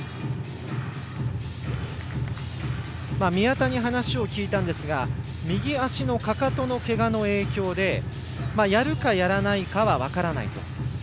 宮田に話を聞いたんですが右足のかかとのけがの影響でやるかやらないかは分からないと。